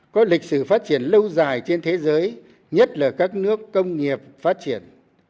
có lịch sử phát triển lâu dài trên thế giới nhất là các nước công nghiệp phát triển